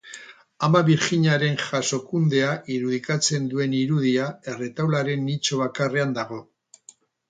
Ama Birjinaren Jasokundea irudikatzen duen irudia erretaularen nitxo bakarrean dago.